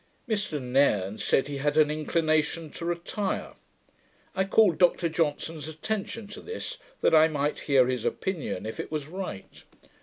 Mr Nairne said, he had an inclination to retire. I called Dr Johnson's attention to this, that I might hear his opinion if it was right.